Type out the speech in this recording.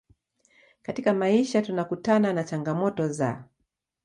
katika maisha tunakutana na changamoto za